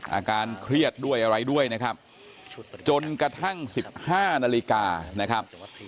อาการเครียดด้วยอะไรด้วยนะครับจนกระทั่ง๑๕นาฬิกานะครับ